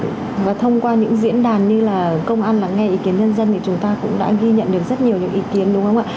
và thông qua những diễn đàn như là công an lắng nghe ý kiến nhân dân thì chúng ta cũng đã ghi nhận được rất nhiều những ý kiến đúng không ạ